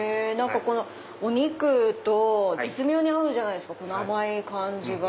お肉と絶妙に合うじゃないですか甘い感じが。